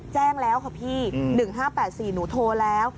แจ้งแล้วค่ะพี่๑๕๘๔หนูโทรแล้ว